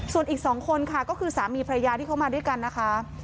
ส่วนอีก๒คนค่ะก็คือสามีพระยาที่เขามาด้วยกันนะคะ